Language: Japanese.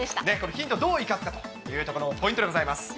ヒントどう生かすかというところもポイントでございます。